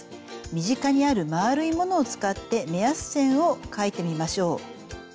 身近にある丸いものを使って目安線を描いてみましょう。